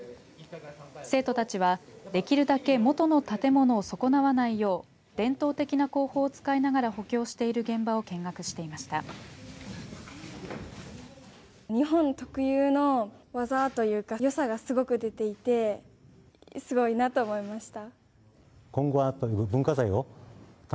生徒たちは、できるだけ元の建物を損なわないよう伝統的な工法を使いながら補強している現場を見学していました。